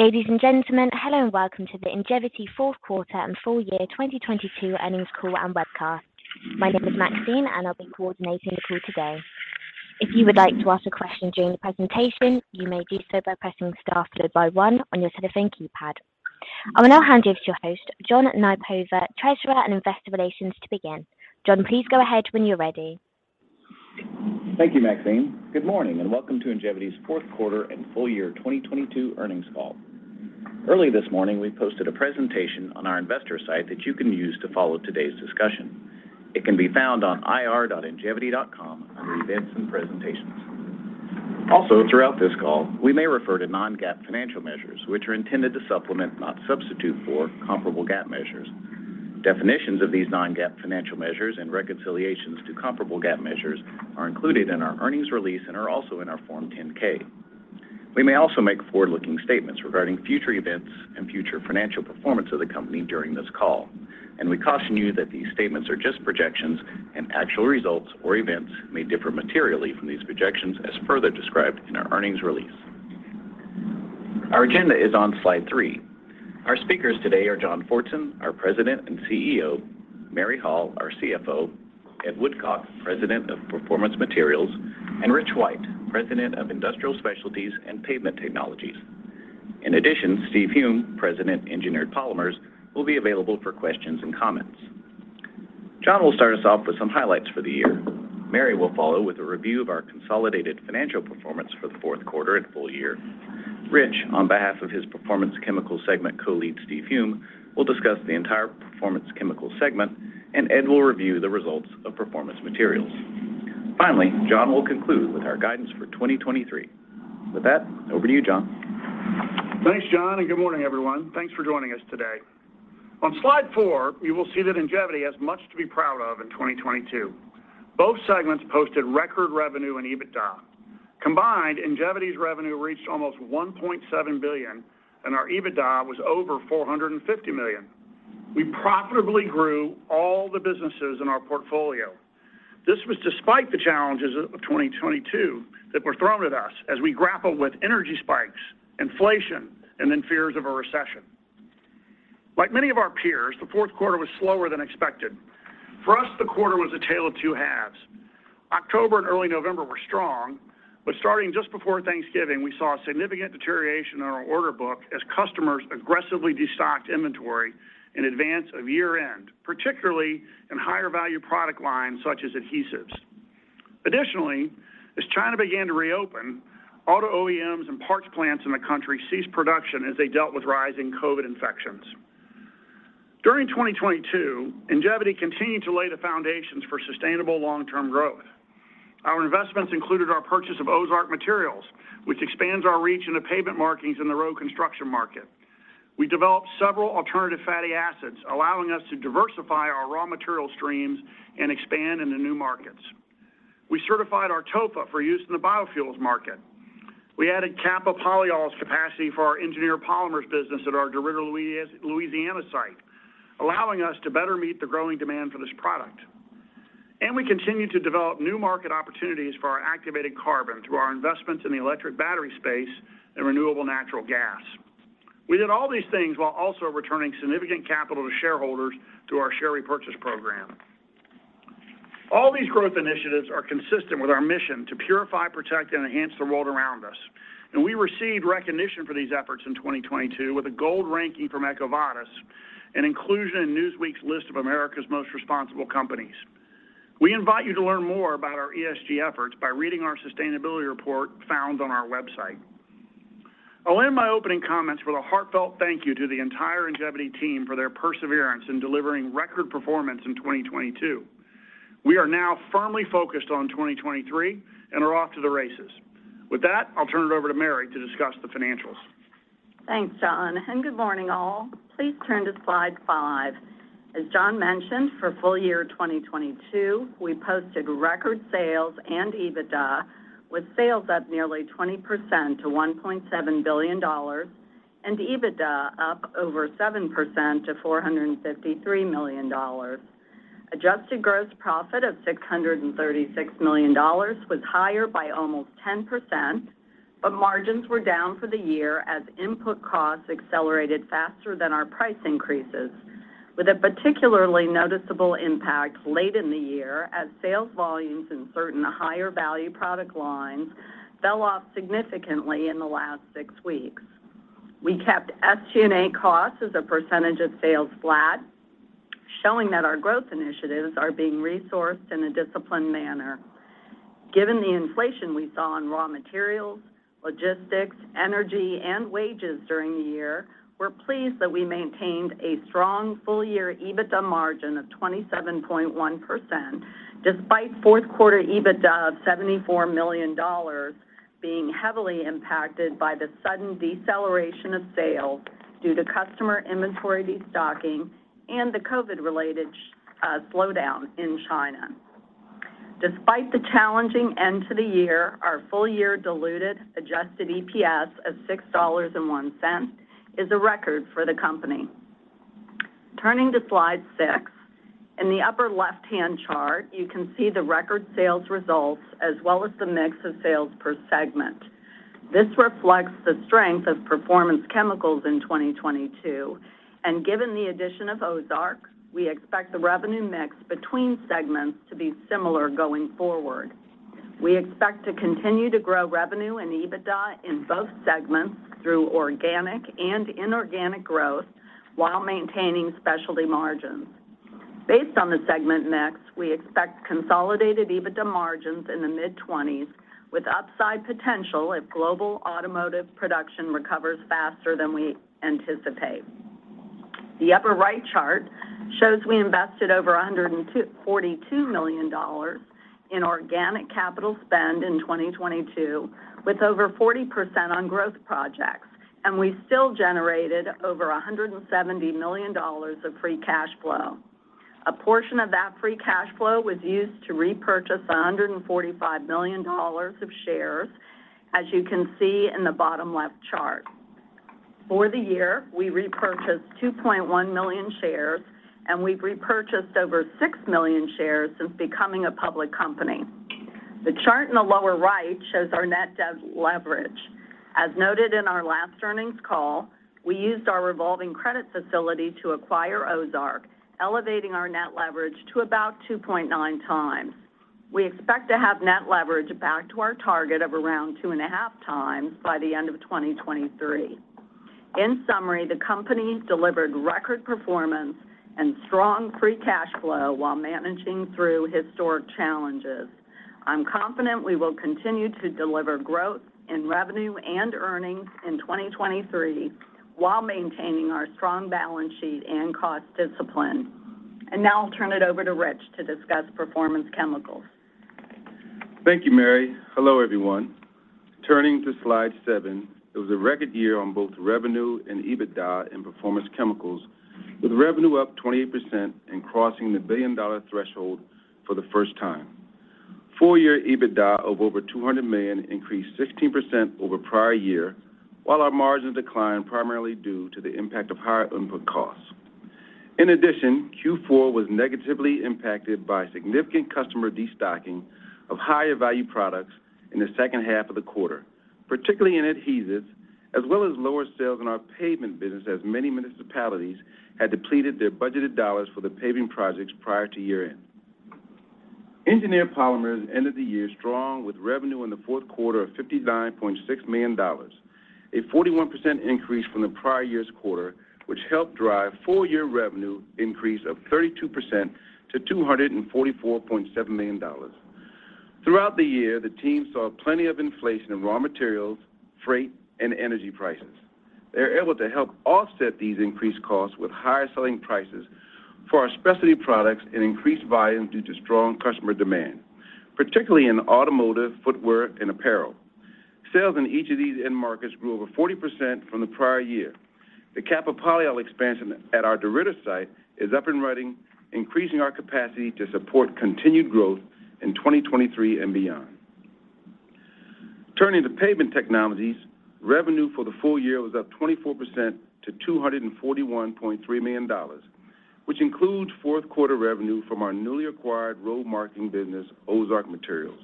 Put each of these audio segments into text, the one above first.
Ladies and gentlemen, hello and welcome to the Ingevity Fourth Quarter and Full Year 2022 Earnings Call and Webcast. My name is Maxine. I'll be coordinating the call today. If you would like to ask a question during the presentation, you may do so by pressing star followed by one on your telephone keypad. I will now hand you off to your host, John Nypaver, Treasurer and Investor Relations, to begin. John, please go ahead when you're ready. Thank you, Maxine. Good morning and welcome to Ingevity's fourth quarter and full year 2022 earnings call. Early this morning, we posted a presentation on our investor site that you can use to follow today's discussion. It can be found on ir.ingevity.com under Events and Presentations. Throughout this call, we may refer to non-GAAP financial measures, which are intended to supplement, not substitute for, comparable GAAP measures. Definitions of these non-GAAP financial measures and reconciliations to comparable GAAP measures are included in our earnings release and are also in our Form 10-K. We may also make forward-looking statements regarding future events and future financial performance of the company during this call. We caution you that these statements are just projections and actual results or events may differ materially from these projections as further described in our earnings release. Our agenda is on Slide three. Our speakers today are John Fortson, our President and CEO; Mary Hall, our CFO; Ed Woodcock, President of Performance Materials; and Rich White, President of Industrial Specialties and Pavement Technologies. In addition, Steve Hume, President Engineered Polymers, will be available for questions and comments. John will start us off with some highlights for the year. Mary will follow with a review of our consolidated financial performance for the fourth quarter and full year. Rich, on behalf of his Performance Chemicals segment co-lead, Steve Hume, will discuss the entire Performance Chemicals segment, and Ed will review the results of Performance Materials. Finally, John will conclude with our guidance for 2023. With that, over to you, John. Thanks, John, and good morning, everyone. Thanks for joining us today. On Slide four, you will see that Ingevity has much to be proud of in 2022. Both segments posted record revenue in EBITDA. Combined, Ingevity's revenue reached almost $1.7 billion, and our EBITDA was over $450 million. We profitably grew all the businesses in our portfolio. This was despite the challenges of 2022 that were thrown at us as we grappled with energy spikes, inflation, and then fears of a recession. Like many of our peers, the fourth quarter was slower than expected. For us, the quarter was a tale of two halves. October and early November were strong, but starting just before Thanksgiving, we saw a significant deterioration in our order book as customers aggressively destocked inventory in advance of year-end, particularly in higher-value product lines such as adhesives. Additionally, as China began to reopen, auto OEMs and parts plants in the country ceased production as they dealt with rising COVID infections. During 2022, Ingevity continued to lay the foundations for sustainable long-term growth. Our investments included our purchase of Ozark Materials, which expands our reach into pavement markings in the road construction market. We developed several alternative fatty acids, allowing us to diversify our raw material streams and expand into new markets. We certified our TOFA for use in the biofuels market. We added Capa polyols capacity for our Engineered Polymers business at our DeRidder, Louisiana site, allowing us to better meet the growing demand for this product. We continued to develop new market opportunities for our activated carbon through our investments in the electric battery space and renewable natural gas. We did all these things while also returning significant capital to shareholders through our share repurchase program. All these growth initiatives are consistent with our mission to purify, protect, and enhance the world around us. We received recognition for these efforts in 2022 with a gold ranking from EcoVadis and inclusion in Newsweek's list of America's Most Responsible Companies. We invite you to learn more about our ESG efforts by reading our sustainability report found on our website. I'll end my opening comments with a heartfelt thank you to the entire Ingevity team for their perseverance in delivering record performance in 2022. We are now firmly focused on 2023 and are off to the races. With that, I'll turn it over to Mary to discuss the financials. Thanks, John, and good morning, all. Please turn to Slide five. As John mentioned, for full year 2022, we posted record sales and EBITDA, with sales up nearly 20% to $1.7 billion and EBITDA up over 7% to $453 million. Adjusted gross profit of $636 million was higher by almost 10%. Margins were down for the year as input costs accelerated faster than our price increases, with a particularly noticeable impact late in the year as sales volumes in certain higher-value product lines fell off significantly in the last six weeks. We kept SG&A costs as a percentage of sales flat, showing that our growth initiatives are being resourced in a disciplined manner. Given the inflation we saw in raw materials, logistics, energy, and wages during the year, we're pleased that we maintained a strong full-year EBITDA margin of 27.1% despite fourth-quarter EBITDA of $74 million being heavily impacted by the sudden deceleration of sales due to customer inventory destocking and the COVID-related slowdown in China. Despite the challenging end to the year, our full-year diluted adjusted EPS of $6.01 is a record for the company. Turning to Slide six. In the upper left-hand chart, you can see the record sales results as well as the mix of sales per segment. This reflects the strength of Performance Chemicals in 2022. Given the addition of Ozark, we expect the revenue mix between segments to be similar going forward. We expect to continue to grow revenue and EBITDA in both segments through organic and inorganic growth while maintaining specialty margins. Based on the segment mix, we expect consolidated EBITDA margins in the mid-twenties, with upside potential if global automotive production recovers faster than we anticipate. The upper right chart shows we invested over $142 million in organic capital spend in 2022, with over 40% on growth projects, and we still generated over $170 million of free cash flow. A portion of that free cash flow was used to repurchase $145 million of shares, as you can see in the bottom left chart. For the year, we repurchased 2.1 million shares, and we've repurchased over 6 million shares since becoming a public company. The chart in the lower right shows our net debt leverage. As noted in our last earnings all, we used our revolving credit facility to acquire Ozark, elevating our net leverage to about 2.9 times. We expect to have net leverage back to our target of around 2.5 times by the end of 2023. In summary, the company delivered record performance and strong free cash flow while managing through historic challenges. I'm confident we will continue to deliver growth in revenue and earnings in 2023 while maintaining our strong balance sheet and cost discipline. Now I'll turn it over to Rich to discuss Performance Chemicals. Thank you, Mary. Hello, everyone. Turning to Slide seven, it was a record year on both revenue and EBITDA in Performance Chemicals, with revenue up 28% and crossing the billion-dollar threshold for the first time. Full year EBITDA of over $200 million increased 16% over prior year, while our margins declined primarily due to the impact of higher input costs. Q4 was negatively impacted by significant customer destocking of higher-value products in the second half of the quarter, particularly in adhesives, as well as lower sales in our pavement business as many municipalities had depleted their budgeted dollars for the paving projects prior to year-end. Engineered Polymers ended the year strong with revenue in the fourth quarter of $59.6 million, a 41% increase from the prior year's quarter, which helped drive full year revenue increase of 32% to $244.7 million. Throughout the year, the team saw plenty of inflation in raw materials, freight, and energy prices. They were able to help offset these increased costs with higher selling prices for our specialty products and increased volume due to strong customer demand, particularly in automotive, footwear, and apparel. Sales in each of these end markets grew over 40% from the prior year. The Capa polyol expansion at our DeRidder site is up and running, increasing our capacity to support continued growth in 2023 and beyond. Turning to Pavement Technologies, revenue for the full year was up 24% to $241.3 million, which includes fourth quarter revenue from our newly acquired road marking business, Ozark Materials.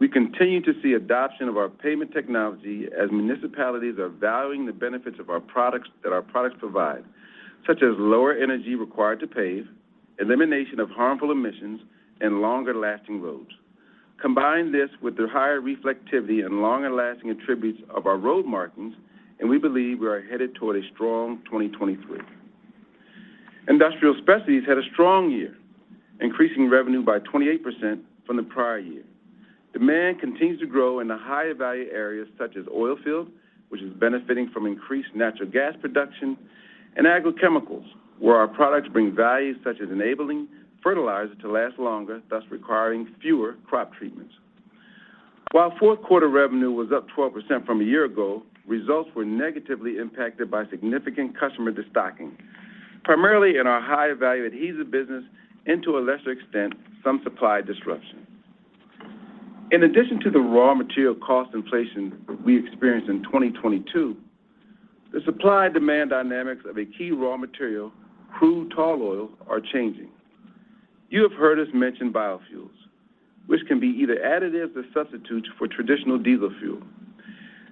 We continue to see adoption of our pavement technology as municipalities are valuing the benefits that our products provide, such as lower energy required to pave, elimination of harmful emissions, and longer-lasting roads. Combine this with the higher reflectivity and longer-lasting attributes of our road markings, we believe we are headed toward a strong 2023. Industrial Specialties had a strong year, increasing revenue by 28% from the prior year. Demand continues to grow in the higher-value areas such as oil fields, which is benefiting from increased natural gas production and agrochemicals, where our products bring value such as enabling fertilizer to last longer, thus requiring fewer crop treatments. While fourth quarter revenue was up 12% from a year ago, results were negatively impacted by significant customer destocking, primarily in our higher-value adhesive business and to a lesser extent, some supply disruption. In addition to the raw material cost inflation we experienced in 2022, the supply-demand dynamics of a key raw material, crude tall oil, are changing. You have heard us mention biofuels, which can be either additives or substitutes for traditional diesel fuel.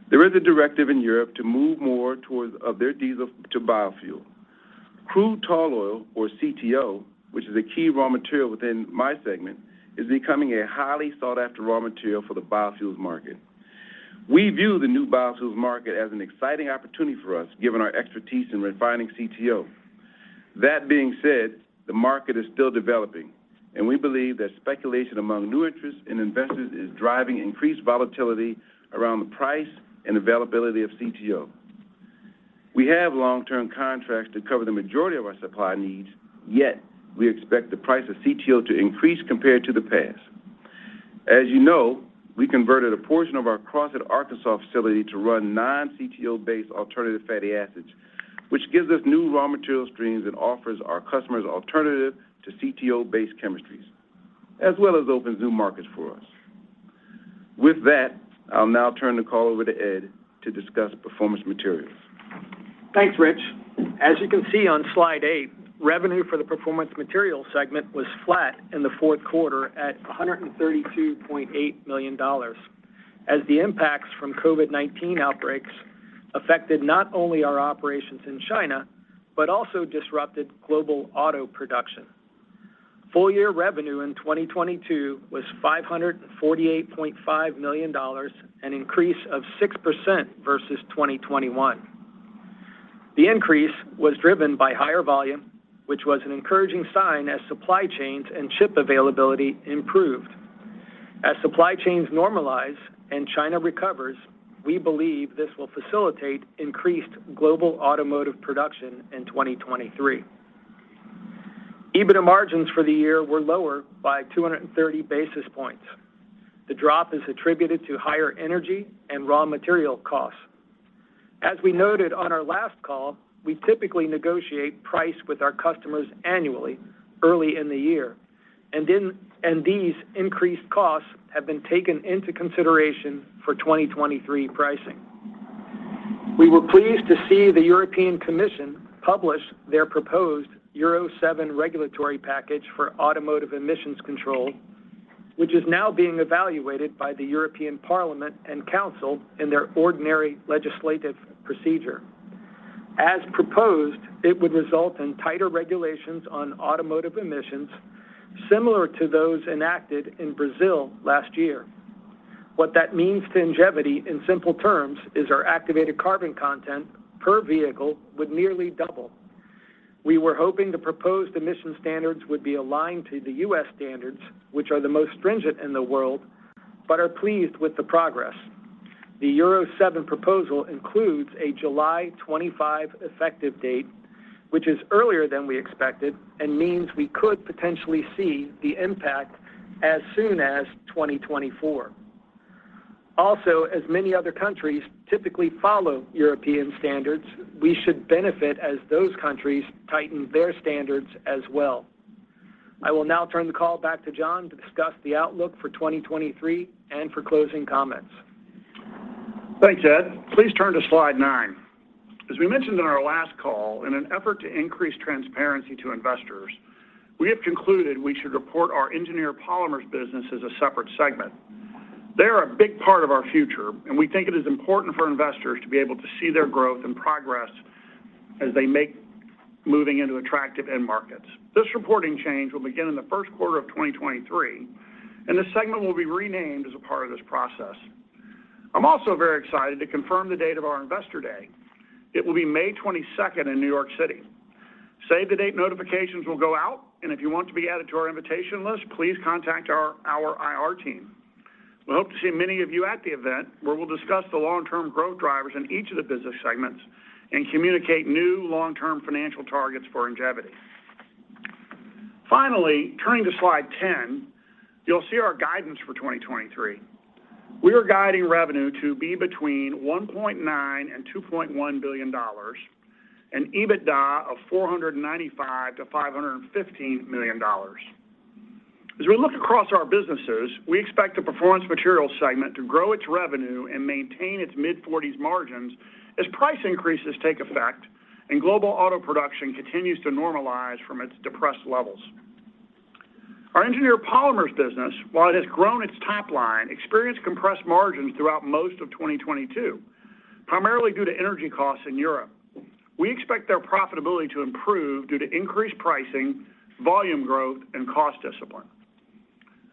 There is a directive in Europe to move more towards of their diesel to biofuel. Crude tall oil, or CTO, which is a key raw material within my segment, is becoming a highly sought-after raw material for the biofuels market. We view the new biofuels market as an exciting opportunity for us, given our expertise in refining CTO. That being said, the market is still developing, and we believe that speculation among new interests and investors is driving increased volatility around the price and availability of CTO. We have long-term contracts to cover the majority of our supply needs, yet we expect the price of CTO to increase compared to the past. As you know, we converted a portion of our Crossett, Arkansas facility to run non-CTO-based alternative fatty acids, which gives us new raw material streams and offers our customers alternative to CTO-based chemistries, as well as opens new markets for us. With that, I'll now turn the call over to Ed to discuss Performance Materials. Thanks, Rich. As you can see on Slide eight, revenue for the Performance Materials segment was flat in the fourth quarter at $132.8 million as the impacts from COVID-19 outbreaks affected not only our operations in China, but also disrupted global auto production. Full year revenue in 2022 was $548.5 million, an increase of 6% versus 2021. The increase was driven by higher volume, which was an encouraging sign as supply chains and chip availability improved. Supply chains normalize and China recovers, we believe this will facilitate increased global automotive production in 2023. EBITDA margins for the year were lower by 230 basis points. The drop is attributed to higher energy and raw material costs. As we noted on our last call, we typically negotiate price with our customers annually early in the year. These increased costs have been taken into consideration for 2023 pricing. We were pleased to see the European Commission publish their proposed Euro 7 regulatory package for automotive emissions control, which is now being evaluated by the European Parliament and Council in their ordinary legislative procedure. As proposed, it would result in tighter regulations on automotive emissions similar to those enacted in Brazil last year. What that means to Ingevity, in simple terms, is our activated carbon content per vehicle would nearly double. We were hoping the proposed emission standards would be aligned to the U.S. standards, which are the most stringent in the world, but are pleased with the progress. The Euro 7 proposal includes a July 25 effective date, which is earlier than we expected and means we could potentially see the impact as soon as 2024. As many other countries typically follow European standards, we should benefit as those countries tighten their standards as well. I will now turn the call back to John to discuss the outlook for 2023 and for closing comments. Thanks, Ed. Please turn to Slide nine. As we mentioned on our last call, in an effort to increase transparency to investors, we have concluded we should report our Engineered Polymers business as a separate segment. They are a big part of our future, we think it is important for investors to be able to see their growth and progress as they make moving into attractive end markets. This reporting change will begin in the first quarter of 2023, the segment will be renamed as a part of this process. I'm also very excited to confirm the date of our Investor Day. It will be May 22nd in New York City. Save the date notifications will go out, if you want to be added to our invitation list, please contact our IR team. We hope to see many of you at the event, where we'll discuss the long-term growth drivers in each of the business segments and communicate new long-term financial targets for Ingevity. Turning to Slide 10, you'll see our guidance for 2023. We are guiding revenue to be between $1.9 billion and $2.1 billion and EBITDA of $495 million-$515 million. We look across our businesses, we expect the Performance Materials segment to grow its revenue and maintain its mid-40s margins as price increases take effect and global auto production continues to normalize from its depressed levels. Our Engineered Polymers business, while it has grown its top line, experienced compressed margins throughout most of 2022, primarily due to energy costs in Europe. We expect their profitability to improve due to increased pricing, volume growth, and cost discipline.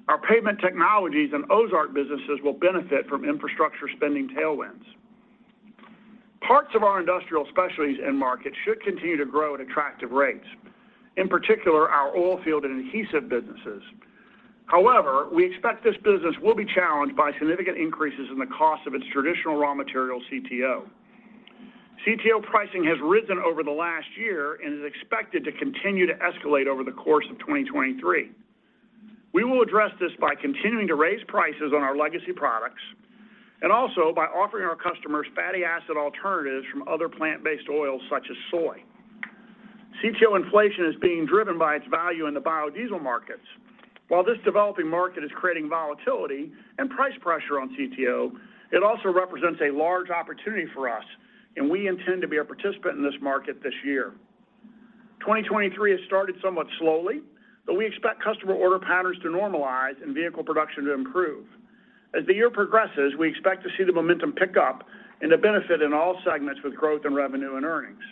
Our Pavement Technologies and Ozark businesses will benefit from infrastructure spending tailwinds. Parts of our Industrial Specialties end market should continue to grow at attractive rates, in particular, our oil field and adhesive businesses. We expect this business will be challenged by significant increases in the cost of its traditional raw material, CTO. CTO pricing has risen over the last year and is expected to continue to escalate over the course of 2023. We will address this by continuing to raise prices on our legacy products and also by offering our customers fatty acid alternatives from other plant-based oils, such as soy. CTO inflation is being driven by its value in the biodiesel markets. While this developing market is creating volatility and price pressure on CTO, it also represents a large opportunity for us, and we intend to be a participant in this market this year. 2023 has started somewhat slowly, but we expect customer order patterns to normalize and vehicle production to improve. As the year progresses, we expect to see the momentum pick up and the benefit in all segments with growth in revenue and earnings.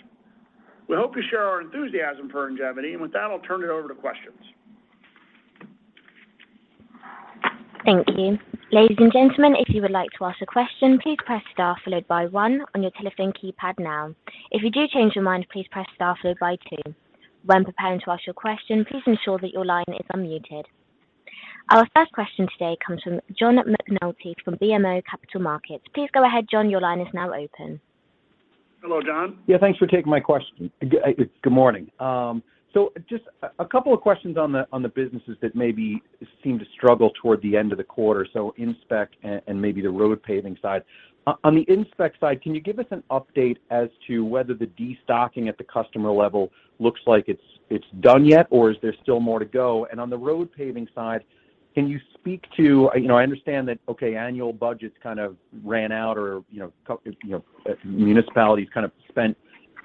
We hope you share our enthusiasm for Ingevity, and with that, I'll turn it over to questions. Thank you. Ladies and gentlemen, if you would like to ask a question, please press star followed by one on your telephone keypad now. If you do change your mind, please press star followed by two. When preparing to ask your question, please ensure that your line is unmuted. Our first question today comes from John McNulty from BMO Capital Markets. Please go ahead, John. Your line is now open. Hello, John. Thanks for taking my question. Good morning. Just a couple of questions on the businesses that maybe seem to struggle toward the end of the quarter, Inspect and maybe the road paving side. On the Inspect side, can you give us an update as to whether the destocking at the customer level looks like it's done yet, or is there still more to go? On the road paving side, can you speak to, you know, I understand that, okay, annual budgets kind of ran out or, you know, municipalities kind of spent,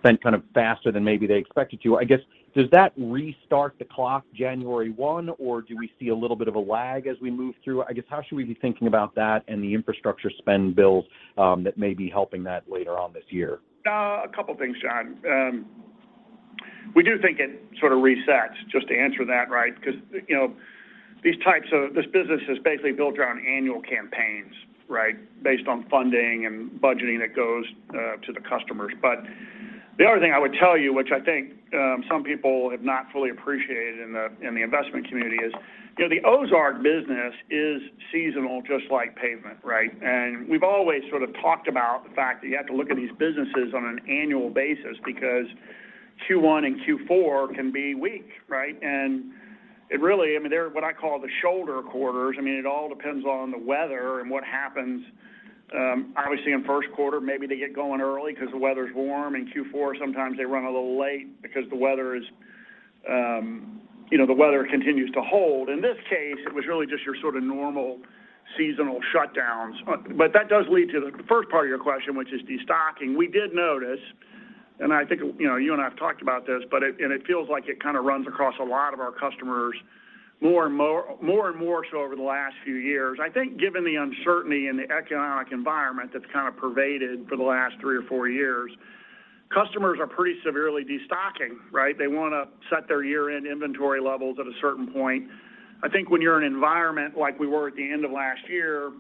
then kind of faster than maybe they expected to. I guess, does that restart the clock January 1, or do we see a little bit of a lag as we move through? I guess, how should we be thinking about that and the infrastructure spend bills that may be helping that later on this year? A couple of things, John. We do think it sort of resets just to answer that, right? Because, you know, this business is basically built around annual campaigns, right? Based on funding and budgeting that goes to the customers. The other thing I would tell you, which I think some people have not fully appreciated in the investment community, is, you know, the Ozark business is seasonal, just like pavement, right? We've always sort of talked about the fact that you have to look at these businesses on an annual basis because Q1 and Q4 can be weak, right? It really, I mean, they're what I call the shoulder quarters. I mean, it all depends on the weather and what happens. Obviously in first quarter, maybe they get going early because the weather is warm. In Q4, sometimes they run a little late because the weather is, you know, the weather continues to hold. In this case, it was really just your sort of normal seasonal shutdowns. That does lead to the first part of your question, which is destocking. We did notice, and I think, you know, you and I have talked about this, but it feels like it kind of runs across a lot of our customers more and more so over the last few years. I think given the uncertainty in the economic environment that's kind of pervaded for the last three or four years, customers are pretty severely destocking, right? They want to set their year-end inventory levels at a certain point. I think when you're in an environment like we were at the end of last year,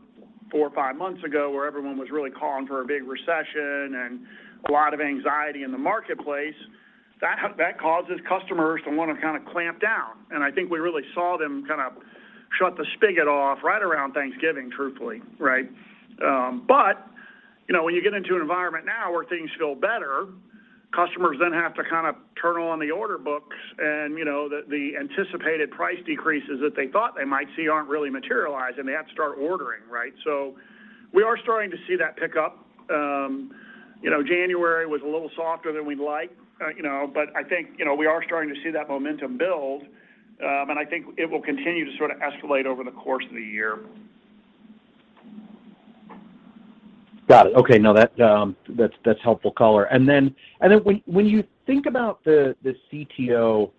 four or five months ago, where everyone was really calling for a big recession and a lot of anxiety in the marketplace, that causes customers to want to kind of clamp down. I think we really saw them kind of shut the spigot off right around Thanksgiving, truthfully, right? You know, when you get into an environment now where things feel better, customers then have to kind of turn on the order books. You know, the anticipated price decreases that they thought they might see aren't really materialized, and they have to start ordering, right? We are starting to see that pick up. You know, January was a little softer than we'd like, you know, but I think, you know, we are starting to see that momentum build. I think it will continue to sort of escalate over the course of the year. Got it. Okay. No, that's helpful color. When you think about the CTO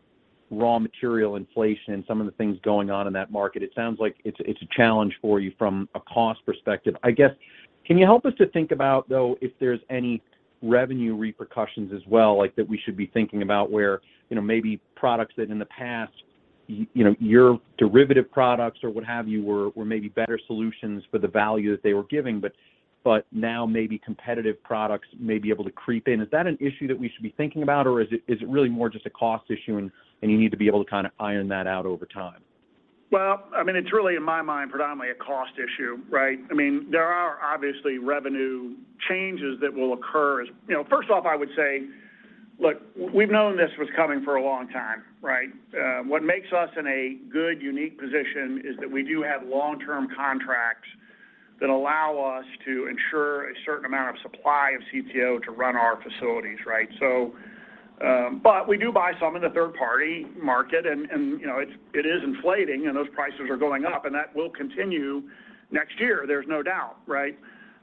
raw material inflation and some of the things going on in that market, it sounds like it's a challenge for you from a cost perspective. I guess, can you help us to think about, though, if there's any revenue repercussions as well, like that we should be thinking about where, you know, maybe products that in the past, you know, your derivative products or what have you were maybe better solutions for the value that they were giving, but now maybe competitive products may be able to creep in? Is that an issue that we should be thinking about, or is it really more just a cost issue and you need to be able to kind of iron that out over time? Well, I mean, it's really, in my mind, predominantly a cost issue, right? I mean, there are obviously revenue changes that will occur. You know, first off, I would say, look, we've known this was coming for a long time, right? What makes us in a good, unique position is that we do have long-term contracts that allow us to ensure a certain amount of supply of CTO to run our facilities, right? We do buy some in the third party market and, you know, it's, it is inflating, and those prices are going up, and that will continue next year. There's no doubt, right?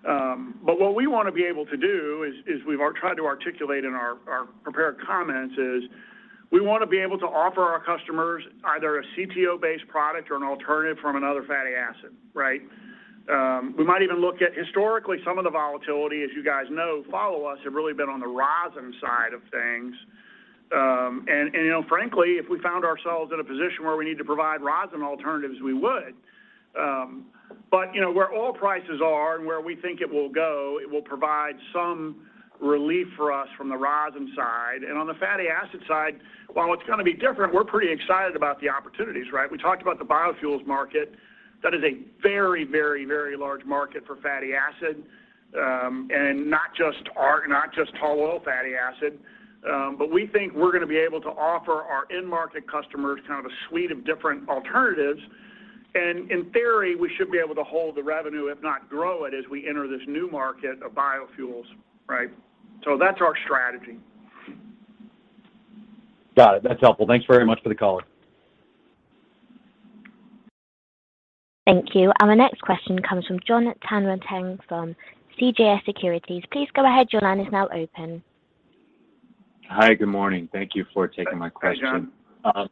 What we want to be able to do is we've tried to articulate in our prepared comments, is we want to be able to offer our customers either a CTO based product or an alternative from another fatty acid, right? We might even look at historically some of the volatility, as you guys know, follow us, have really been on the rosin side of things. You know, frankly, if we found ourselves in a position where we need to provide rosin alternatives, we would. You know, where oil prices are and where we think it will go, it will provide some relief for us from the rosin side. On the fatty acid side, while it's going to be different, we're pretty excited about the opportunities, right? We talked about the biofuels market. That is a very, very, very large market for fatty acid. not just tall oil fatty acid. We think we're going to be able to offer our end market customers kind of a suite of different alternatives. In theory, we should be able to hold the revenue, if not grow it, as we enter this new market of biofuels. Right? That's our strategy. Got it. That's helpful. Thanks very much for the color. Thank you. Our next question comes from Jon Tanwanteng from CJS Securities. Please go ahead. Your line is now open. Hi. Good morning. Thank you for taking my question. Hi, Jon.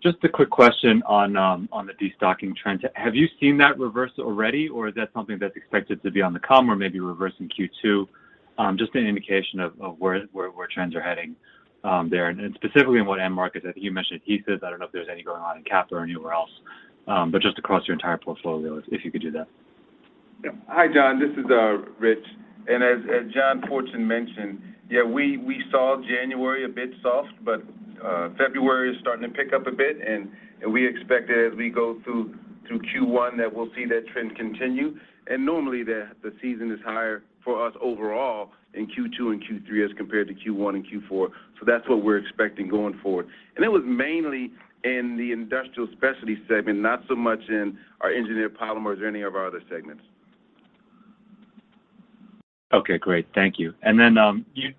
Just a quick question on on the destocking trend. Have you seen that reverse already, or is that something that's expected to be on the come or maybe reverse in Q2? Just an indication of where trends are heading there and specifically in what end markets. I think you mentioned adhesives. I don't know if there's any going on in capital or anywhere else, but just across your entire portfolio, if you could do that. Yeah. Hi, Jon. This is Rich. As John Fortson mentioned, yeah, we saw January a bit soft, but February is starting to pick up a bit. We expect as we go through Q1 that we'll see that trend continue. Normally the season is higher for us overall in Q2 and Q3 as compared to Q1 and Q4. That's what we're expecting going forward. It was mainly in the Industrial Specialties segment, not so much in our Engineered Polymers or any of our other segments. Okay, great. Thank you. Then,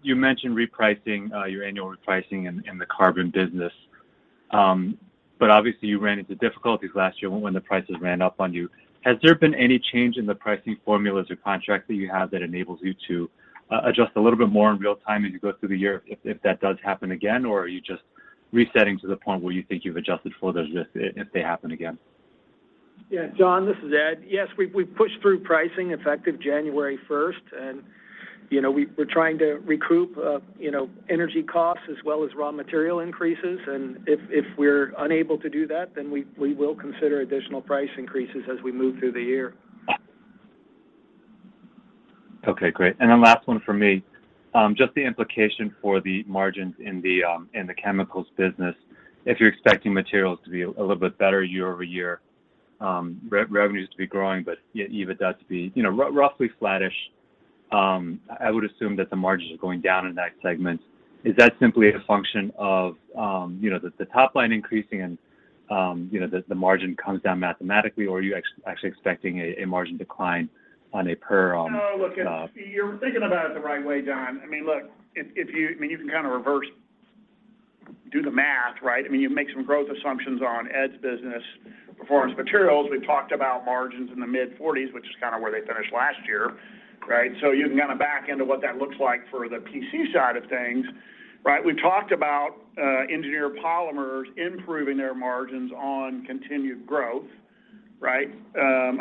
you mentioned repricing, your annual repricing in the carbon business. Obviously you ran into difficulties last year when the prices ran up on you. Has there been any change in the pricing formulas or contracts that you have that enables you to adjust a little bit more in real time as you go through the year if that does happen again? Or are you just resetting to the point where you think you've adjusted for those risks if they happen again? Yeah. Jon, this is Ed. Yes, we've pushed through pricing effective January first, you know, we're trying to recoup, you know, energy costs as well as raw material increases. If we're unable to do that, then we will consider additional price increases as we move through the year. Okay, great. Last one from me, just the implication for the margins in the chemicals business, if you're expecting materials to be a little bit better year-over-year, revenues to be growing, but EBITDA to be, you know, roughly flattish, I would assume that the margins are going down in that segment. Is that simply a function of, you know, the top line increasing and, you know, the margin comes down mathematically, or are you actually expecting a margin decline on a per. No, look, you're thinking about it the right way, Jon. I mean, look, if you I mean, you can kind of reverse do the math, right? I mean, you make some growth assumptions on Ed's business Performance Materials. We've talked about margins in the mid-40s, which is kind of where they finished last year, right? You can kind of back into what that looks like for the PC side of things, right? We've talked about Engineered Polymers improving their margins on continued growth, right?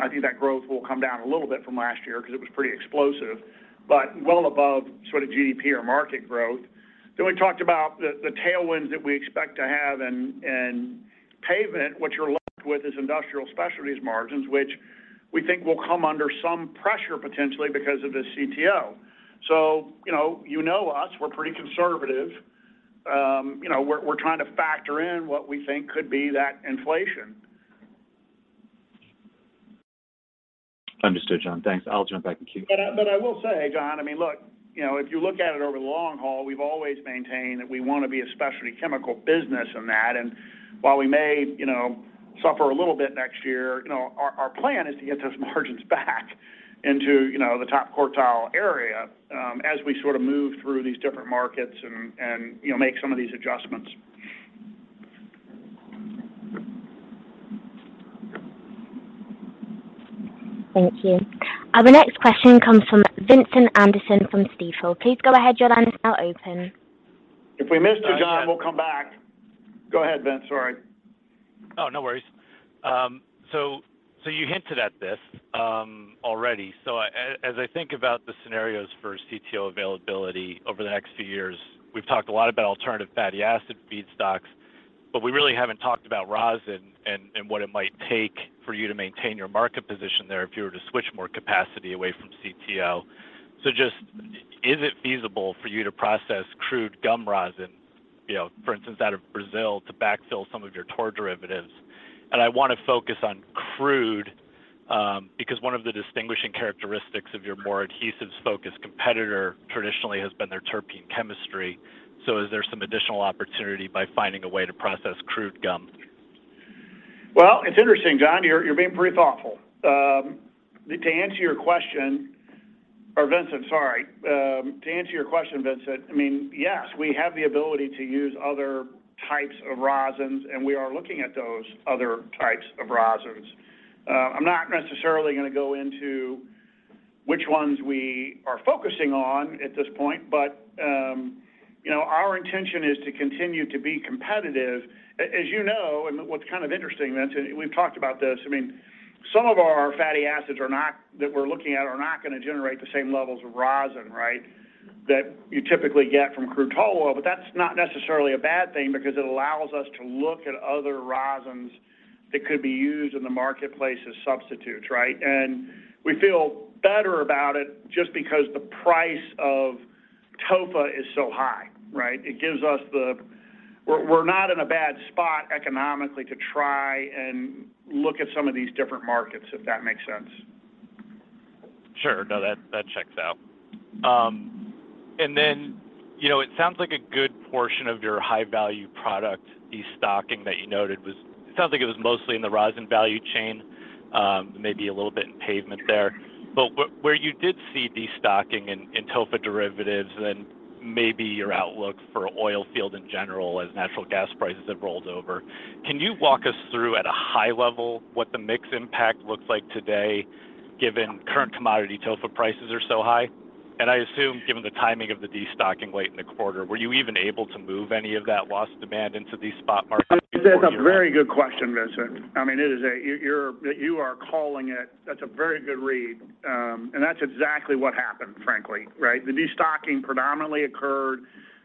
I think that growth will come down a little bit from last year because it was pretty explosive, but well above sort of GDP or market growth. We talked about the tailwinds that we expect to have in pavement. What you're left with is Industrial Specialties margins, which we think will come under some pressure potentially because of the CTO. You know, you know us, we're pretty conservative. You know, we're trying to factor in what we think could be that inflation. Understood, John. Thanks. I'll jump back in queue. I will say, Jon, I mean, look, you know, if you look at it over the long haul, we've always maintained that we want to be a specialty chemical business in that. While we may, you know, suffer a little bit next year, you know, our plan is to get those margins back into, you know, the top quartile area, as we sort of move through these different markets and, you know, make some of these adjustments. Thank you. Our next question comes from Vincent Anderson from Stifel. Please go ahead. Your line is now open. If we missed you, Jon, we'll come back. Go ahead, Vince. Sorry. Oh, no worries. You hinted at this already. As I think about the scenarios for CTO availability over the next few years, we've talked a lot about alternative fatty acid feedstocks, but we really haven't talked about rosin and what it might take for you to maintain your market position there if you were to switch more capacity away from CTO. Just is it feasible for you to process crude gum rosin, you know, for instance, out of Brazil to backfill some of your TOR derivatives? I want to focus on crude because one of the distinguishing characteristics of your more adhesives-focused competitor traditionally has been their terpene chemistry. Is there some additional opportunity by finding a way to process crude gum? Well, it's interesting, Jon. You're being pretty thoughtful. Or Vincent, sorry. To answer your question, Vincent, I mean, yes, we have the ability to use other types of rosins, and we are looking at those other types of rosins. I'm not necessarily gonna go into which ones we are focusing on at this point, but, you know, our intention is to continue to be competitive. As you know, and what's kind of interesting, Vincent, we've talked about this. I mean, some of our fatty acids that we're looking at are not gonna generate the same levels of rosin, right, that you typically get from crude tallow. That's not necessarily a bad thing because it allows us to look at other rosins that could be used in the marketplace as substitutes, right? We feel better about it just because the price of TOFA is so high, right? It gives us. We're not in a bad spot economically to try and look at some of these different markets, if that makes sense. Sure. No, that checks out. You know, it sounds like a good portion of your high-value product destocking that you noted it sounds like it was mostly in the rosin value chain, maybe a little bit in pavement there. Where you did see destocking in TOFA derivatives and maybe your outlook for oil field in general as natural gas prices have rolled over, can you walk us through at a high level what the mix impact looks like today given current commodity TOFA prices are so high? I assume, given the timing of the destocking late in the quarter, were you even able to move any of that lost demand into these spot markets before year end? That's a very good question, Vincent. I mean, You are calling it. That's a very good read. That's exactly what happened, frankly, right? The destocking predominantly occurred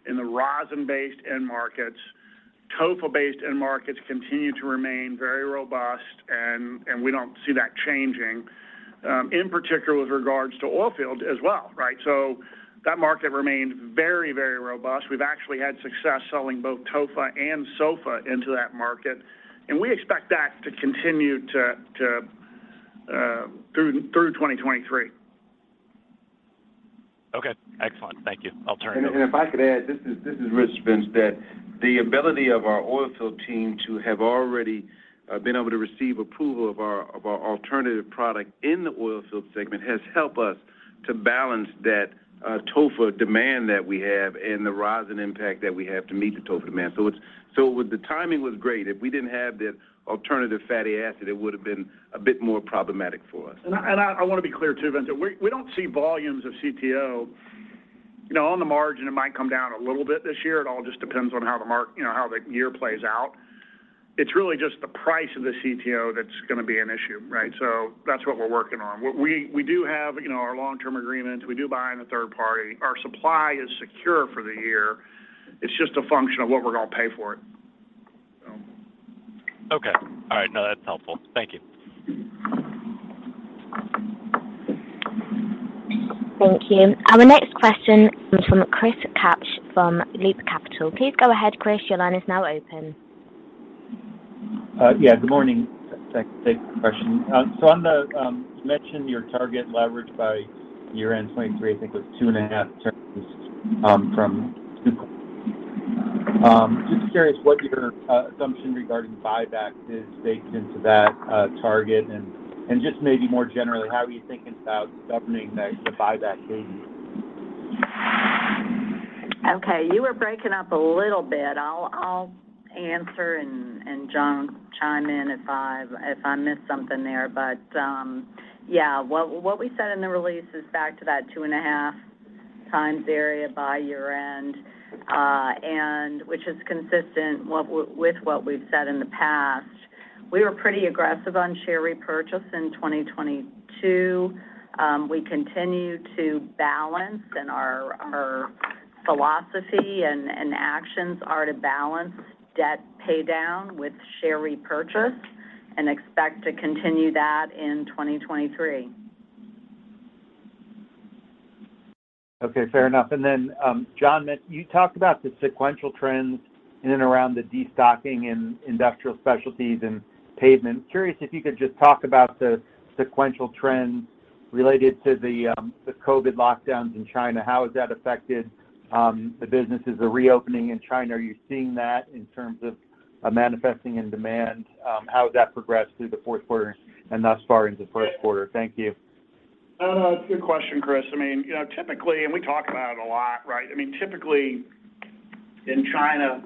in the rosin-based end markets. TOFA-based end markets continue to remain very robust, and we don't see that changing, in particular with regards to oil fields as well, right? That market remained very, very robust. We've actually had success selling both TOFA and SOFA into that market, and we expect that to continue through 2023. Excellent. Thank you. I'll turn it over. If I could add, this is Rich, Vince, that the ability of our oil field team to have already been able to receive approval of our alternative product in the oil field segment has helped us to balance that TOFA demand that we have and the rise in impact that we have to meet the TOFA demand. With the timing was great. If we didn't have the alternative fatty acid, it would have been a bit more problematic for us. I want to be clear too, Vince, that we don't see volumes of CTO. You know, on the margin, it might come down a little bit this year. It all just depends on how the year plays out. It's really just the price of the CTO that's gonna be an issue, right? That's what we're working on. We do have, you know, our long-term agreements. We do buy in a third party. Our supply is secure for the year. It's just a function of what we're gonna pay for it. Okay. All right. No, that's helpful. Thank you. Thank you. Our next question is from Chris Kapsch from Loop Capital. Please go ahead, Chris. Your line is now open. Yeah, good morning. Thanks for the question. On the, you mentioned your target leverage by year-end 2023, I think it was 2.5x, from 2024. Just curious what your assumption regarding buyback is baked into that target and just maybe more generally, how are you thinking about governing the buyback maybe? Okay. You were breaking up a little bit. I'll answer and John chime in if I missed something there. Yeah. What we said in the release is back to that 2.5 times area by year-end, and which is consistent with what we've said in the past. We were pretty aggressive on share repurchase in 2022. We continue to balance and our philosophy and actions are to balance debt pay down with share repurchase and expect to continue that in 2023. Okay. Fair enough. John, you talked about the sequential trends in and around the destocking in Industrial Specialties and pavement. Curious if you could just talk about the sequential trends related to the COVID lockdowns in China. How has that affected the businesses, the reopening in China? Are you seeing that in terms of manifesting in demand? How has that progressed through the fourth quarter and thus far into first quarter? Thank you. It's a good question, Chris. I mean, you know, typically, we talk about it a lot, right? I mean, typically in China,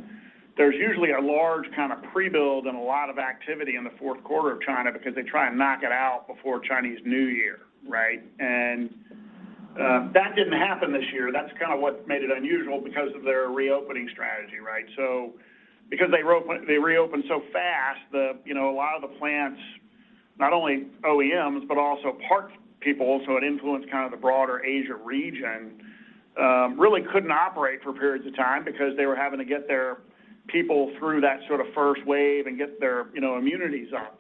there's usually a large kind of pre-build and a lot of activity in the fourth quarter of China because they try and knock it out before Chinese New Year, right? That didn't happen this year. That's kind of what made it unusual because of their reopening strategy, right? Because they reopened so fast, the, you know, a lot of the plants, not only OEMs, but also parts people, so it influenced kind of the broader Asia region, really couldn't operate for periods of time because they were having to get their people through that sort of first wave and get their, you know, immunities up,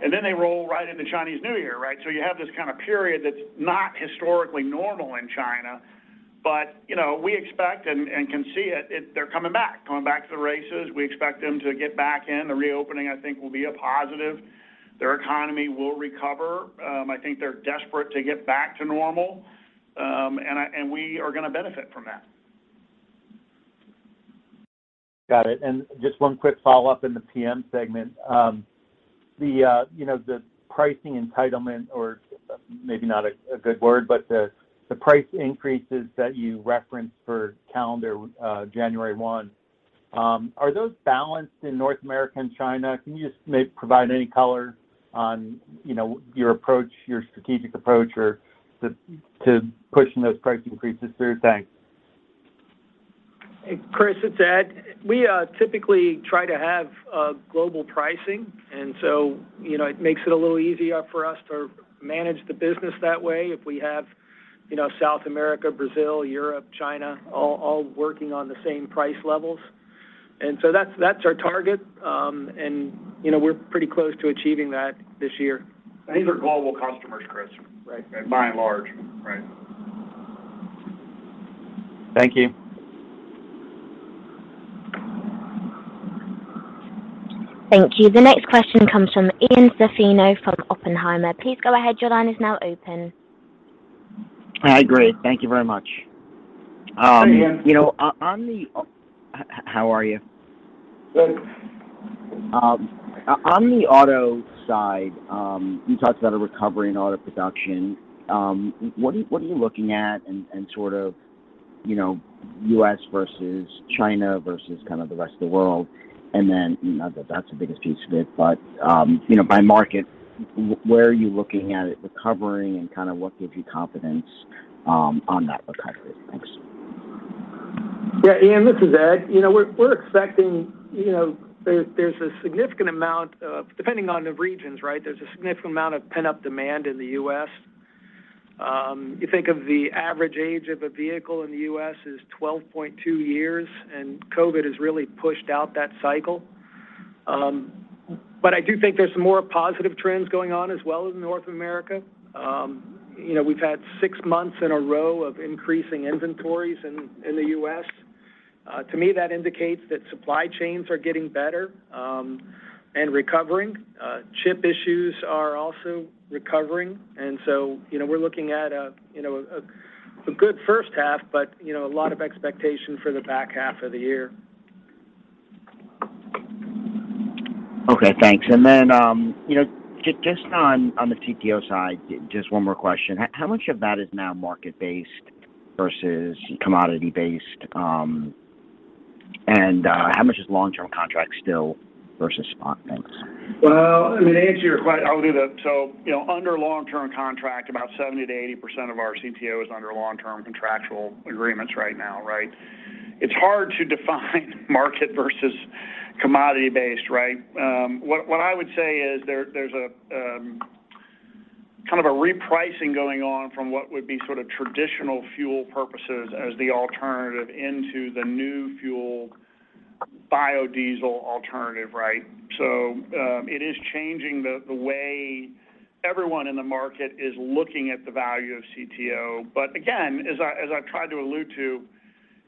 right? They roll right into Chinese New Year, right? You have this kind of period that's not historically normal in China. You know, we expect and can see it, they're coming back. Coming back to the races. We expect them to get back in. The reopening, I think, will be a positive. Their economy will recover. I think they're desperate to get back to normal. And we are gonna benefit from that. Got it. Just one quick follow-up in the PM segment. You know, the pricing entitlement or maybe not a good word, but the price increases that you referenced for calendar January 1, are those balanced in North America and China? Can you just maybe provide any color on, you know, your approach, your strategic approach or to pushing those price increases through? Thanks. Chris, it's Ed. We typically try to have global pricing, you know, it makes it a little easier for us to manage the business that way if we have, you know, South America, Brazil, Europe, China all working on the same price levels. That's our target, and, you know, we're pretty close to achieving that this year. These are global customers, Chris. Right. By and large. Right. Thank you. Thank you. The next question comes from Ian Zaffino from Oppenheimer. Please go ahead. Your line is now open. Hi. Great. Thank you very much. Hi, Ian. You know, How are you? Good. On the auto side, you talked about a recovery in auto production. What are, what are you looking at and sort of, you know, U.S. versus China versus kind of the rest of the world? Not that that's the biggest piece of it, but, you know, by market, where are you looking at it recovering and kind of what gives you confidence on that recovery? Thanks. Yeah, Ian, this is Ed. You know, we're expecting, you know, there's a significant amount of, depending on the regions, right? There's a significant amount of pent-up demand in the U.S. You think of the average age of a vehicle in the U.S. is 12.2 years, and COVID has really pushed out that cycle. I do think there's some more positive trends going on as well in North America. You know, we've had six months in a row of increasing inventories in the U.S. To me, that indicates that supply chains are getting better and recovering. Chip issues are also recovering. We're looking at a good first half, but, you know, a lot of expectation for the back half of the year. Okay, thanks. You know, just on the CTO side, just one more question. How much of that is now market-based versus commodity-based? How much is long-term contracts still versus spot things? Well, I mean, to answer your question, you know, under long-term contract, about 70%-80% of our CTO is under long-term contractual agreements right now, right? It's hard to define market versus commodity-based, right? What I would say is there's a kind of a repricing going on from what would be sort of traditional fuel purposes as the alternative into the new fuel biodiesel alternative, right? It is changing the way everyone in the market is looking at the value of CTO. Again, as I tried to allude to,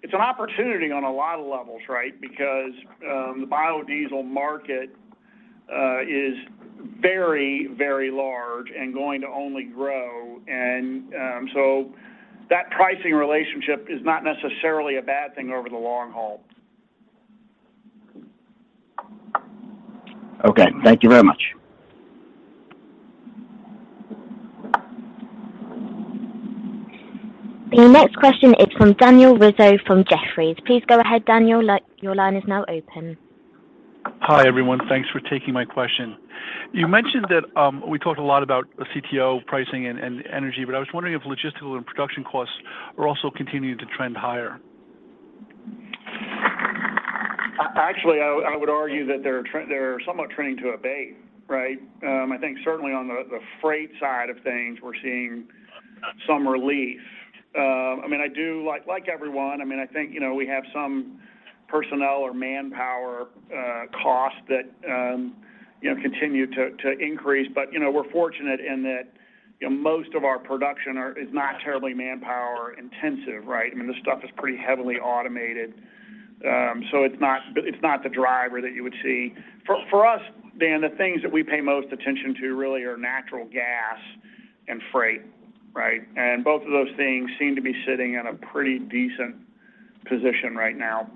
it's an opportunity on a lot of levels, right? The biodiesel market is very, very large and going to only grow. That pricing relationship is not necessarily a bad thing over the long haul. Okay. Thank you very much. The next question is from Daniel Rizzo from Jefferies. Please go ahead, Daniel. Your line is now open. Hi, everyone. Thanks for taking my question. You mentioned that we talked a lot about the CTO pricing and energy. I was wondering if logistical and production costs are also continuing to trend higher? Actually, I would argue that they're somewhat trending to abate, right? I think certainly on the freight side of things, we're seeing some relief. I mean, I do like everyone, I mean, I think, you know, we have some personnel or manpower costs that, you know, continue to increase. But, you know, we're fortunate in that, you know, most of our production is not terribly manpower intensive, right? I mean, this stuff is pretty heavily automated. So it's not, it's not the driver that you would see. For us, Dan, the things that we pay most attention to really are natural gas and freight, right? Both of those things seem to be sitting in a pretty decent position right now.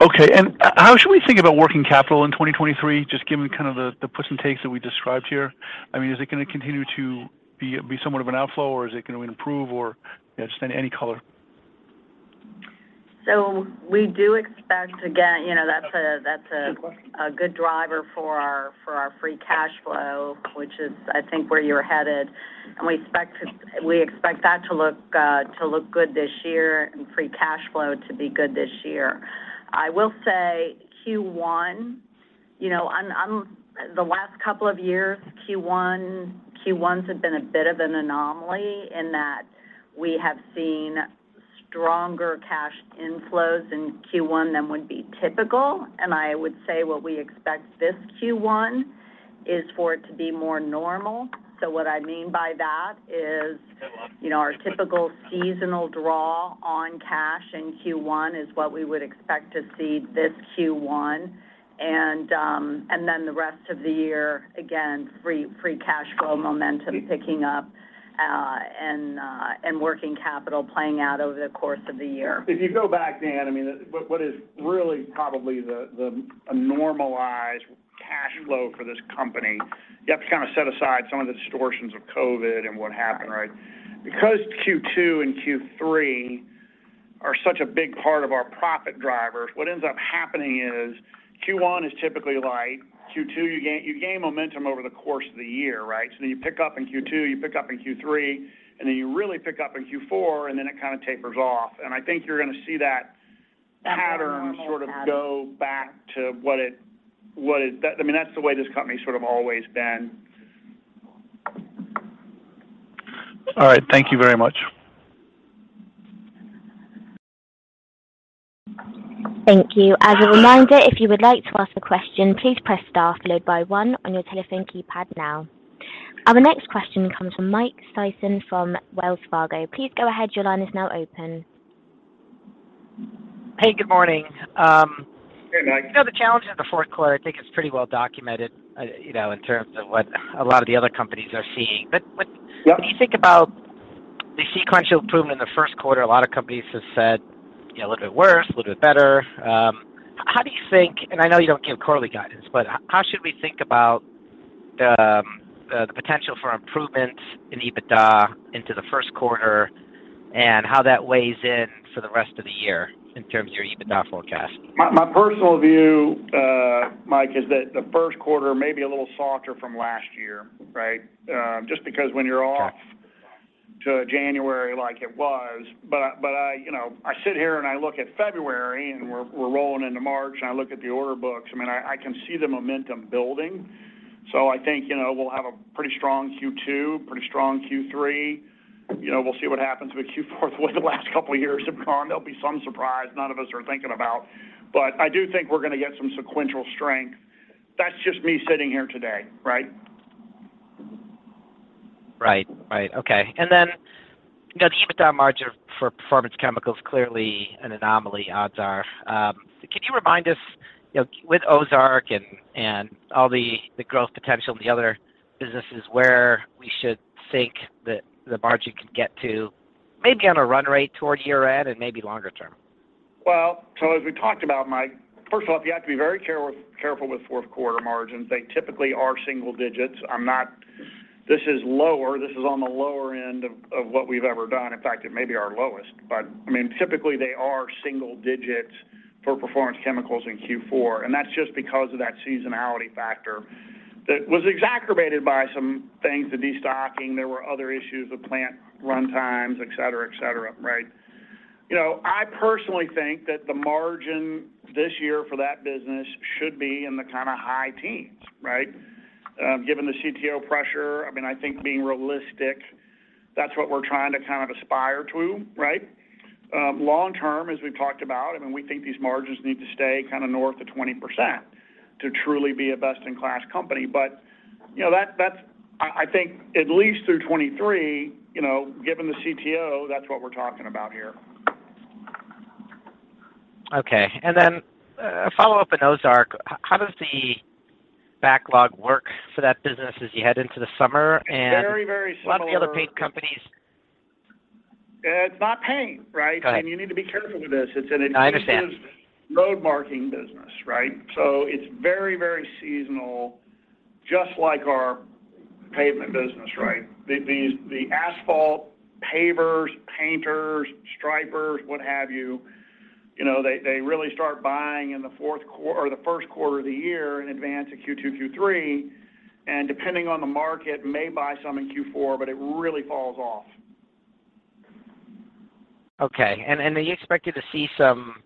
Okay. How should we think about working capital in 2023, just given kind of the puts and takes that we described here? I mean, is it gonna continue to be somewhat of an outflow, or is it going to improve or just any color? We do expect. You know, that's a good question, a good driver for our free cash flow, which is I think where you're headed. We expect that to look good this year and free cash flow to be good this year. I will say Q1, you know, I'm The last couple of years, Q1s have been a bit of an anomaly in that we have seen stronger cash inflows in Q1 than would be typical. I would say what we expect this Q1 is for it to be more normal. What I mean by that is, you know, our typical seasonal draw on cash in Q1 is what we would expect to see this Q1. The rest of the year, again, free cash flow momentum picking up, and working capital playing out over the course of the year. If you go back, Dan, I mean, what is really probably the normalized cash flow for this company, you have to kind of set aside some of the distortions of COVID and what happened, right? Q2 and Q3 are such a big part of our profit drivers, what ends up happening is Q1 is typically light. Q2, you gain momentum over the course of the year, right? You pick up in Q2, you pick up in Q3, and then you really pick up in Q4, and then it kind of tapers off. I think you're gonna see that pattern- That more normal pattern. -sort of go back to what it, I mean, that's the way this company's sort of always been. All right. Thank you very much. Thank you. As a reminder, if you would like to ask a question, please press star followed by one on your telephone keypad now. Our next question comes from Mike Sison from Wells Fargo. Please go ahead. Your line is now open. Hey, good morning. Hey, Mike. You know, the challenge in the fourth quarter, I think is pretty well documented, you know, in terms of what a lot of the other companies are seeing, when you think about the sequential improvement in the first quarter, a lot of companies have said, you know, a little bit worse, a little bit better. How do you think, and I know you don't give quarterly guidance, but how should we think about the potential for improvements in EBITDA into the first quarter and how that weighs in for the rest of the year in terms of your EBITDA forecast? My personal view, Mike, is that the first quarter may be a little softer from last year, right? Just because when you're off to January like it was. I, you know, I sit here and I look at February and we're rolling into March and I look at the order books, I mean, I can see the momentum building. I think, you know, we'll have a pretty strong Q2, pretty strong Q3. You know, we'll see what happens with Q4. The way the last couple of years have gone, there'll be some surprise none of us are thinking about. I do think we're gonna get some sequential strength. That's just me sitting here today, right? Right. Okay. You know, the EBITDA margin for Performance Chemicals clearly an anomaly, odds are. Can you remind us, you know, with Ozark and all the growth potential in the other businesses where we should think the margin could get to maybe on a run rate toward year-end and maybe longer term? As we talked about, Mike, first of all, you have to be very careful with fourth quarter margins. They typically are single digits. This is lower. This is on the lower end of what we've ever done. In fact, it may be our lowest. I mean, typically they are single digits for Performance Chemicals in Q4, and that's just because of that seasonality factor that was exacerbated by some things, the destocking. There were other issues with plant run times, et cetera, right? You know, I personally think that the margin this year for that business should be in the kind of high teens, right? Given the CTO pressure, I mean, I think being realistic, that's what we're trying to kind of aspire to, right? Long term, as we've talked about, I mean, we think these margins need to stay kind of north of 20% to truly be a best-in-class company. You know, that's I think at least through 2023, you know, given the CTO, that's what we're talking about here. Okay. A follow-up on Ozark. How does the backlog work for that business as you head into the summer? It's very, very similar. A lot of the other paint companies. It's not paint, right? Got it. You need to be careful with this. It's No, I understand. exclusive road marking business, right? It's very, very seasonal, just like our pavement business, right? The asphalt pavers, painters, stripers, what have you know, they really start buying in the first quarter of the year in advance of Q2, Q3, and depending on the market, may buy some in Q4, but it really falls off. Are you expecting to see some,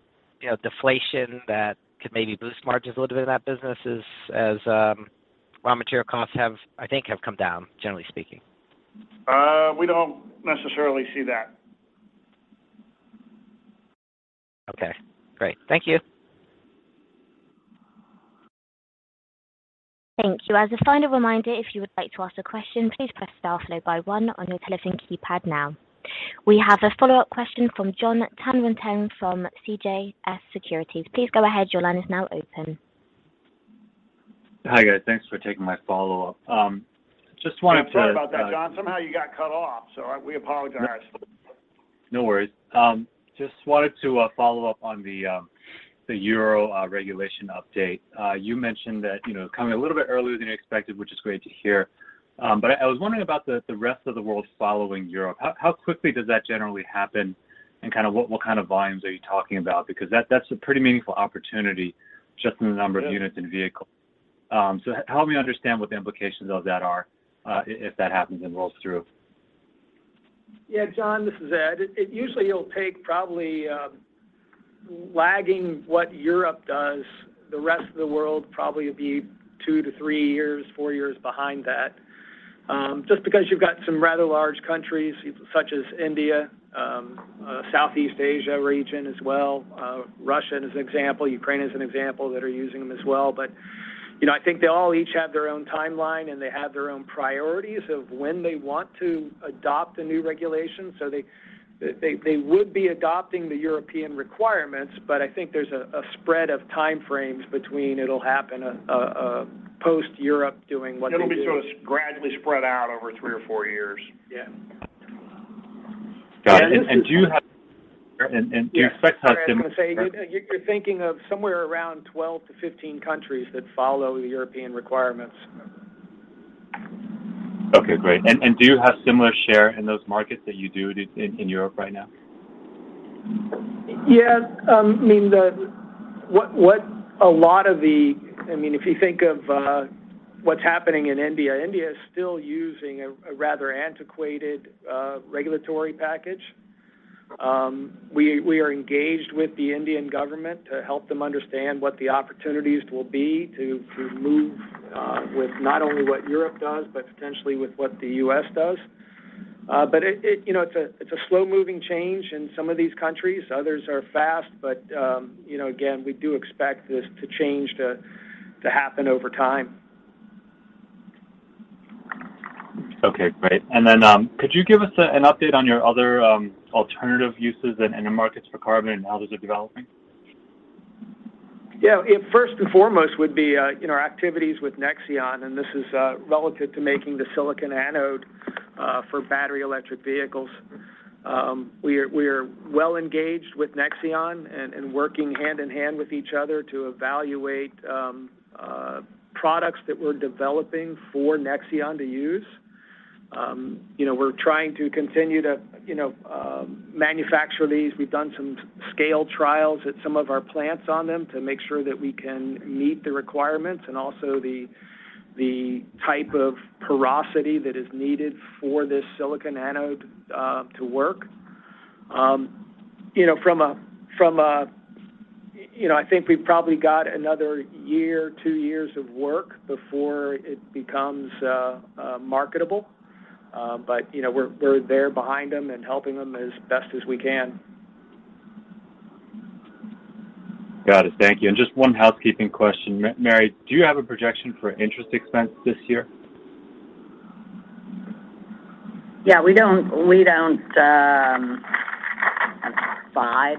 you know, deflation that could maybe boost margins a little bit in that business as raw material costs have, I think, come down, generally speaking? We don't necessarily see that. Okay, great. Thank you. Thank you. As a final reminder, if you would like to ask a question, please press star followed by one on your telephone keypad now. We have a follow-up question from Jon Tanwanteng from CJS Securities. Please go ahead. Your line is now open. Hi, guys. Thanks for taking my follow-up. Sorry about that, Jon. Somehow you got cut off. We apologize. No worries. Just wanted to follow up on the Euro regulation update. You mentioned that, you know, coming a little bit earlier than you expected, which is great to hear. I was wondering about the rest of the world following Europe. How quickly does that generally happen and kind of what kind of volumes are you talking about? That's a pretty meaningful opportunity just in the number of units and vehicles. Help me understand what the implications of that are if that happens and rolls through. Yeah, Jon, this is Ed. Usually it'll take probably, lagging what Europe does, the rest of the world probably will be two to three years, four years behind that, just because you've got some rather large countries such as India, Southeast Asia region as well. Russia is an example. Ukraine is an example that are using them as well. You know, I think they all each have their own timeline, and they have their own priorities of when they want to adopt a new regulation. They would be adopting the European requirements, but I think there's a spread of time frames between it'll happen, post-Europe doing what they do. It'll be sort of gradually spread out over three or four years. Yeah. Got it. Do you expect to have? Sorry, I was gonna say, you're thinking of somewhere around 12-15 countries that follow the European requirements. Okay, great. Do you have similar share in those markets that you do in Europe right now? Yes. I mean, what a lot of the, I mean, if you think of what's happening in India is still using a rather antiquated regulatory package. We are engaged with the Indian government to help them understand what the opportunities will be to move with not only what Europe does, but potentially with what the U.S. does. It, you know, it's a slow-moving change in some of these countries. Others are fast. You know, again, we do expect this to change to happen over time. Okay, great. Could you give us an update on your other alternative uses and end markets for carbon and how those are developing? Yeah. It first and foremost would be, you know, our activities with Nexeon. This is relative to making the silicon anode for battery electric vehicles. We're well engaged with Nexeon and working hand in hand with each other to evaluate products that we're developing for Nexeon to use. You know, we're trying to continue to, you know, manufacture these. We've done some scale trials at some of our plants on them to make sure that we can meet the requirements and also the type of porosity that is needed for this silicon anode to work. You know, from a... You know, I think we've probably got another year, two years of work before it becomes marketable. You know, we're there behind them and helping them as best as we can. Got it. Thank you. Just 1 housekeeping question. Mary, do you have a projection for interest expense this year? Yeah. We don't provide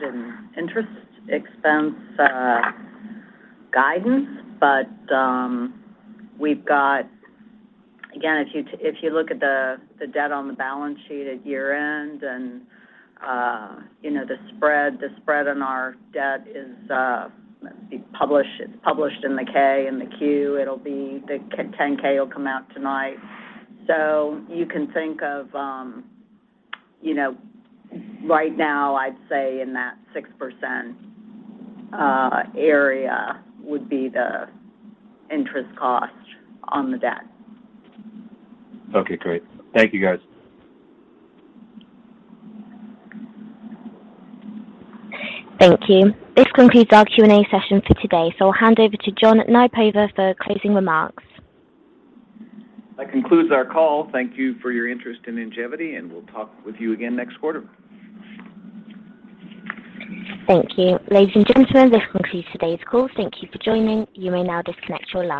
an interest expense guidance, we've got. Again, if you look at the debt on the balance sheet at year-end and, you know, the spread on our debt is, let's see, published, it's published in the K and the Q. The 10-K will come out tonight. You can think of, you know, right now I'd say in that 6% area would be the interest cost on the debt. Okay, great. Thank you, guys. Thank you. This concludes our Q&A session for today, so I'll hand over to John Nypaver for closing remarks. That concludes our call. Thank you for your interest in Ingevity, and we'll talk with you again next quarter. Thank you. Ladies and gentlemen, this concludes today's call. Thank you for joining. You may now disconnect your lines.